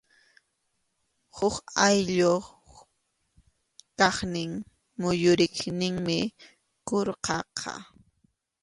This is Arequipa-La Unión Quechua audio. Huk ayllup kaqnin muyuriqninmi qurqaqa.